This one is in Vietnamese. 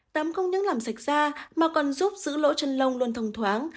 tắm không những làm sạch da mà còn giúp giữ lỗ chân lông luôn thông thoáng